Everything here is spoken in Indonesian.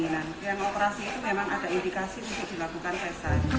yang operasi itu memang ada indikasi untuk dilakukan pesan